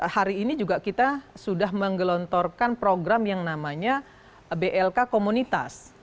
hari ini juga kita sudah menggelontorkan program yang namanya blk komunitas